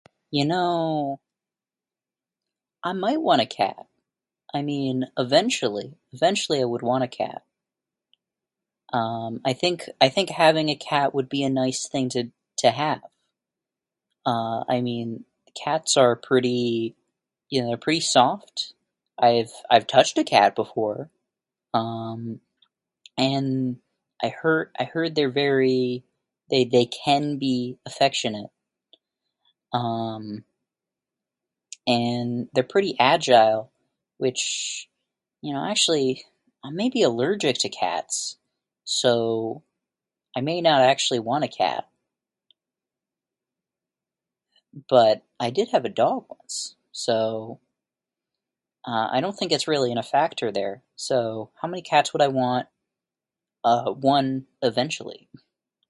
You know, I might want a cat. I mean, eventually. Eventually I would want a cat. Um, I think, I think having a cat would be a nice thing to to have. Uh, I mean cats are pretty you know they're pretty soft. I've I've touched a cat before. Um, and, I heard I heard they're very... they they can be affectionate. Um, and they're pretty agile, which, you know... actually I may be allergic to cats. So, I may not actually want a cat. But I did have a dog once, so, uh, I don't think it's really gonna factor there. So, how many cats would I want? Uh, one, eventually.